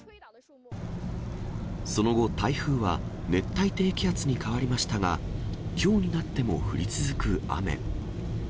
その後、台風は熱帯低気圧に変わりましたが、きょうになっても降り続く雨。